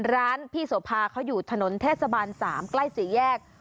ร้านพี่โสภาเขาอยู่ถนนเทศบาล๓ใกล้๔แยก